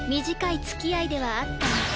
短いつきあいではあったが。